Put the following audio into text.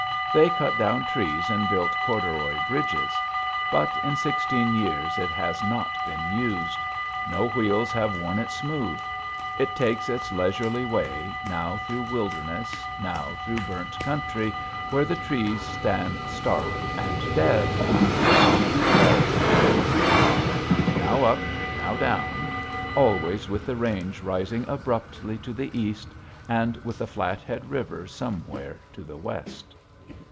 They cut down trees and built corduroy bridges. But in sixteen years it has not been used. No wheels have worn it smooth. It takes its leisurely way, now through wilderness, now through burnt country where the trees stand stark and dead, now through prairie or creek bottom, now up, now down, always with the range rising abruptly to the east, and with the Flathead River somewhere to the west.